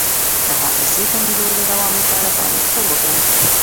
د حافظې د کمیدو د دوام لپاره باید څه وکړم؟